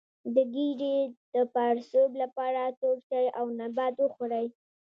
د ګیډې د پړسوب لپاره تور چای او نبات وخورئ